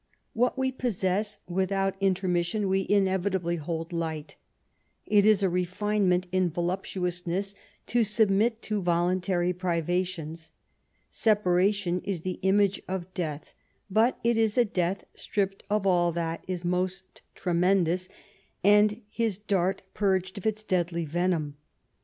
What we possess without intermission, we inevitably hold light; it is a refinement in yoluptnousness to submit to voluntary privations. Separation is the image of death, but it is death stripped of aU that is most tremendous, and his dart purged of its deadly venom.